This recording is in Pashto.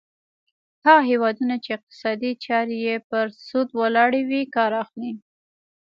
هغه هیوادونه چې اقتصادي چارې یې پر سود ولاړې وي کار اخلي.